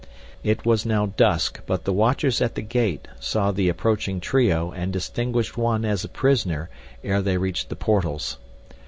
It was now dusk, but the watchers at the gate saw the approaching trio and distinguished one as a prisoner ere they reached the portals.